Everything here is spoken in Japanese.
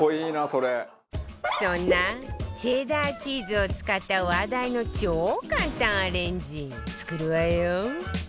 そんなチェダーチーズを使った話題の超簡単アレンジ作るわよ